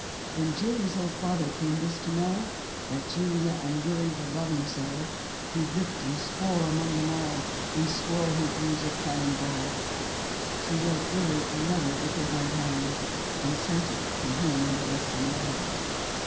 When Julia's old father came this to know, That Julia and Willie were loving so, He ripped and swore among them all, And swore he'd use a cannon ball. She wrote Willie a letter with her right hand And sent it to him in the western land.